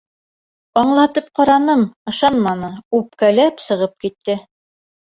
Аңлатып ҡараным, ышанманы, үпкәләп сығып китте.